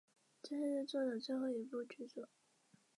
这是作者的最后一部剧作。